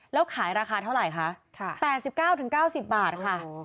แล้วขายราคาเท่าไหร่คะ